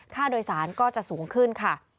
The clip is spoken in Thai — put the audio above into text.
ค่าโดยสารก็จะสูงขึ้นค่ะ